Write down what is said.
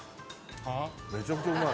めちゃくちゃうまい！